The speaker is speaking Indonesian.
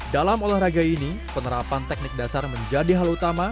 dalam olahraga ini penerapan teknik dasar menjadi hal utama